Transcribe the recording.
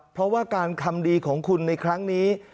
เพราะว่าการทำดีของคุณในครั้งนี้